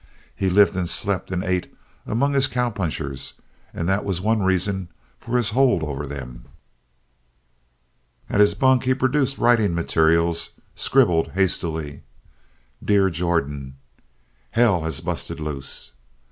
He lived and slept and ate among his cowpunchers and that was one reason for his hold over them. At his bunk, he produced writing materials scribbled hastily. "Dear Jordan, "Hell has busted loose.